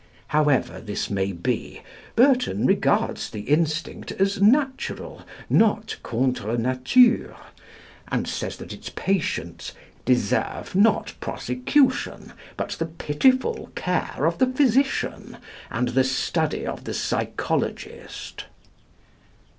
However this may be, Burton regards the instinct as natural, not contre nature, and says that its patients "deserve, not prosecution but the pitiful care of the physician and the study of the psychologist."